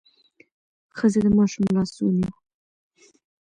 ښځه د ماشوم لاس ونیو.